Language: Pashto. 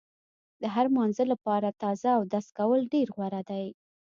د هر مانځه لپاره تازه اودس کول ډېر غوره دي.